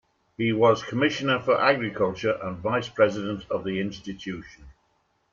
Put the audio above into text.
He was Commissioner for Agriculture and vice-president of the institution.